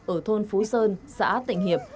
ở thôn phú sơn xã tịnh hiệp